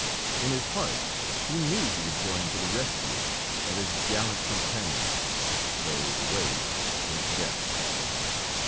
In his heart, he knew he was going to the rescue of his gallant companion, though the way meant death.